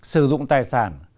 sử dụng tài sản